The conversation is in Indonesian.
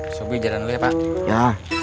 sobri something ya pak ya